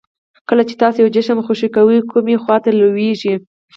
کله چې تاسو یو جسم خوشې کوئ کومې خواته لویږي؟